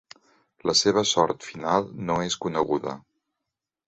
La seva sort final no és coneguda.